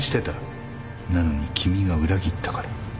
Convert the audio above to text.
なのに君が裏切ったから。